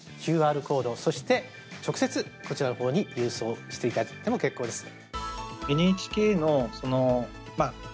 ＱＲコード、そして直接こちらのほうに郵送していただいても結構です。